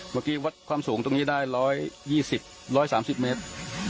เมื่อกี้วัดความสูงตรงนี้ได้๑๒๐๑๓๐เมตร